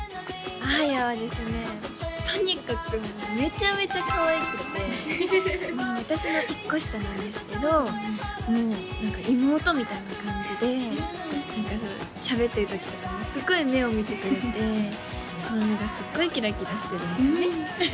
あーやはですねとにかくめちゃめちゃかわいくて私の１個下なんですけどもう何か妹みたいな感じで何かしゃべってる時とかもすごい目を見てくれてその目がすっごいキラキラしてるんだよね